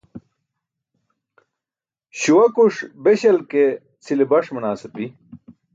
Śuwakuṣ beśal ke cʰile baṣ manaas api.